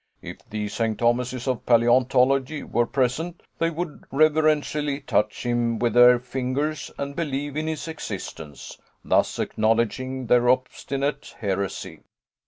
If the St. Thomases of paleontology were present, they would reverentially touch him with their fingers and believe in his existence, thus acknowledging their obstinate heresy.